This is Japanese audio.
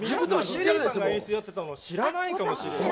テリーさんが演出やってたの、知らないかもしれない。